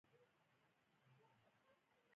هېڅکله مې يې د امتحان لپاره ورقه تبديله نه کړه.